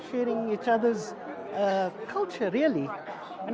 mereka berbagi kultur yang berbeda